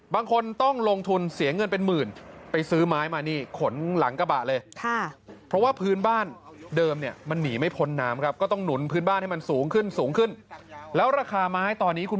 บางคนต้องลงทุนเสียเงินเป็นหมื่นไปซื้อไม้มานี่ขนหลังกระบะเลย